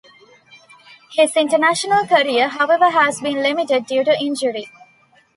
His international career however has been limited due to injury.